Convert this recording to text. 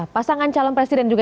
pasangan calon presiden juga